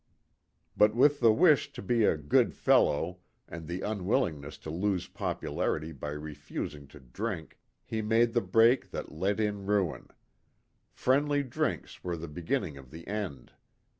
But with the wish to be " a good fellow " and the unwillingness to lose popularity by refusing to drink, he made the break that let in ruin ;" friendly drinks " were the beginning of the end.